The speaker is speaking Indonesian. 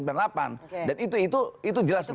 dan itu jelas